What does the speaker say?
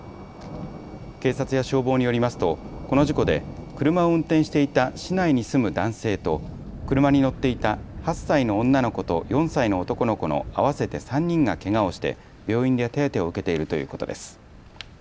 警察や消防によりますとこの事故で車を運転していた市内に住む男性と車に乗っていた８歳の女の子と４歳の男の子の合わせて３人がけがをして病院で手当てを受けているということです。